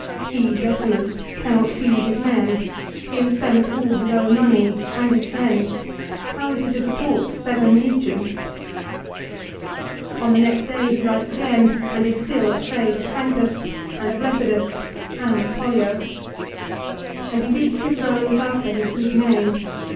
He, Decimus, cannot feed his men. He has spent all his own money and his friends'. How is he to support seven legions ? 2 On the next day he writes again, and is still afraid of Plancus and of Lepidus and of Pollio. And he bids Cicero look after his good name.